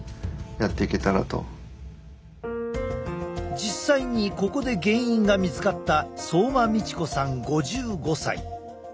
実際にここで原因が見つかった相馬美智子さん５５歳。